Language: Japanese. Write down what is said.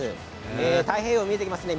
太平洋が見えていますね。